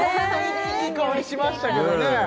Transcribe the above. いい香りしましたけどね